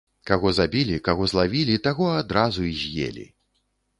Каго забілі, каго злавілі, таго адразу і з'елі.